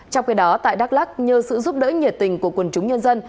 trong khi đó tại đắk lắc nhờ sự giúp đỡ nhiệt tình của quần chúng nhân dân